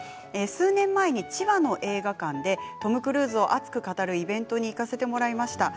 数年前に千葉の映画館でトム・クルーズを熱く語るイベントに行かせてもらいました。